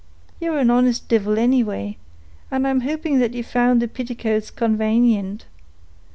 Ye're an honest divil anyway, and I'm hoping that you found the pitticoats convanient.